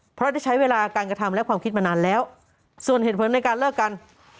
เพราะได้ใช้เวลาการกระทำและความคิดมานานแล้วส่วนเหตุผลในการเลิกกัน